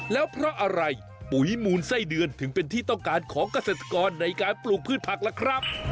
แล้วเพราะอะไรปุ๋ยมูลไส้เดือนถึงเป็นที่ต้องการของเกษตรกรในการปลูกพืชผักล่ะครับ